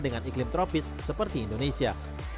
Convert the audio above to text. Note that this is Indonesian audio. dengan iklim tropis seperti indonesia